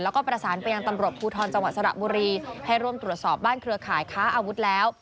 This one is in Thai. แล้วก็ประสานไปยังตำรวจภูทรจังหวัดสระบุรีให้ร่วมตรวจสอบบ้านเครือข่ายค้าอาวุธแล้ว